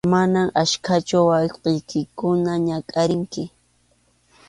Mana achkachu wawqiykikuna ñakʼarinki.